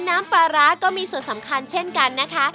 น้ำปลาร้าก็มีส่วนสำคัญเช่นกันนะคะ